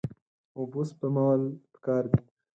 اوبه سپمول پکار دي.